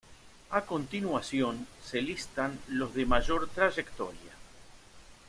A continuación se listan los de mayor trayectoria.